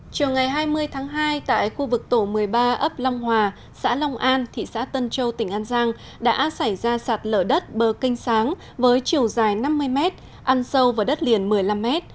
chiều ngày hai mươi tháng hai tại khu vực tổ một mươi ba ấp long hòa xã long an thị xã tân châu tỉnh an giang đã xảy ra sạt lở đất bờ canh sáng với chiều dài năm mươi mét ăn sâu vào đất liền một mươi năm m